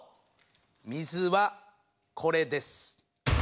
水はこれです。